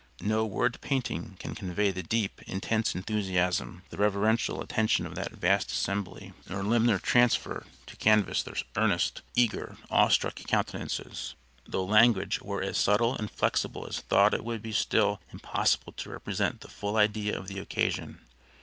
No word painting can convey the deep, intense enthusiasm, the reverential attention of that vast assembly, nor limner transfer to canvas their earnest, eager, awe struck countenances. Though language were as subtle and flexible as thought it would still be impossible to represent the full idea of the occasion.